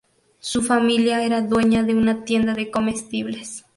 Su familia era dueña de una tienda de comestibles.